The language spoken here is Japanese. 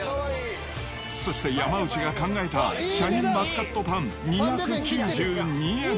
そして、山内が考えたシャインマスカットパン２９２円。